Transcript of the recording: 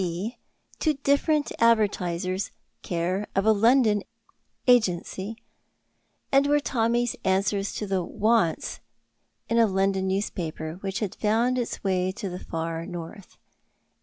B., to different advertisers, care of a London agency, and were Tommy's answers to the "wants" in a London newspaper which had found its way to the far North.